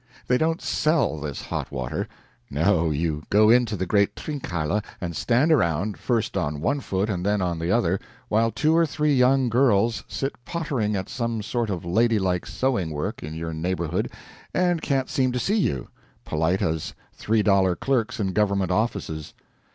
They don't SELL this hot water; no, you go into the great Trinkhalle, and stand around, first on one foot and then on the other, while two or three young girls sit pottering at some sort of ladylike sewing work in your neighborhood and can't seem to see you polite as three dollar clerks in government offices.